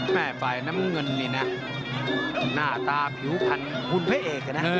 ฝ่ายน้ำเงินนี่นะหน้าตาผิวพันธุ์พระเอกนะ